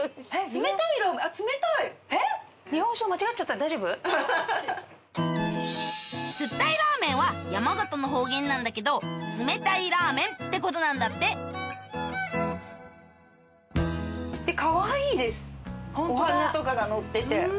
冷たいラーメンは山形の方言なんだけど「冷たいラーメン」ってことなんだってかわいいですお花とかがのって。